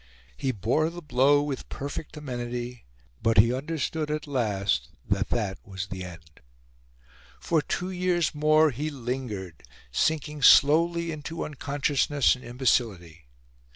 He bore the blow with perfect amenity; but he understood, at last, that that was the end. For two years more he lingered, sinking slowly into unconsciousness and imbecility.